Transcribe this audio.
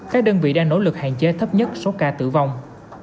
các đơn vị đang nỗ lực hạn chế thấp nhất số ca tử vong